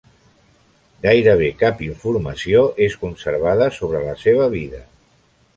Gairebé cap informació és conservada sobre la seva vida.